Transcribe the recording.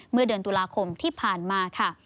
เมื่อเดือนตุลาคมที่ผ่านมาค่ะ